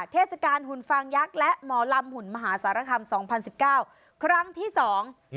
เทศกาลหุ่นฟังยักษ์และหมอลำหุ่นมหาสารคาม๒๐๑๙ครั้งที่สอง